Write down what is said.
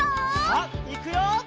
さあいくよ！